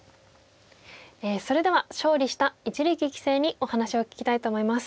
それでは勝利した一力棋聖にお話を聞きたいと思います。